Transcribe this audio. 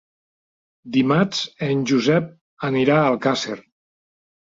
Dimarts en Josep anirà a Alcàsser.